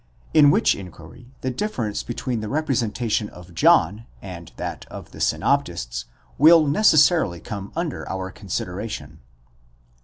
in which inquiry, e difference between the representation of John and that of the synoptists,. will necessarily come under our consideration.